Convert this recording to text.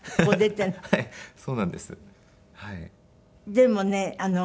でもね